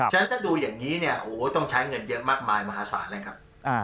ฉะนั้นถ้าดูอย่างนี้เนี่ยโอ้โหต้องใช้เงินเยอะมากมายมหาศาลเลยครับ